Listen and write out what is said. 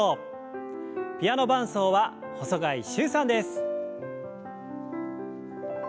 ピアノ伴奏は細貝柊さんです。